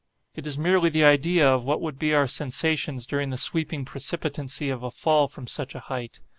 It is merely the idea of what would be our sensations during the sweeping precipitancy of a fall from such a height.